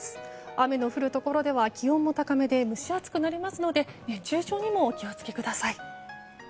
雨の降るところでは気温も高めで蒸し暑くなりますので熱中症にもお気を付けください。